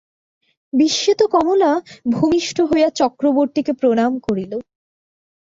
বিস্মিত কমলা ভূমিষ্ঠ হইয়া চক্রবর্তীকে প্রণাম করিল।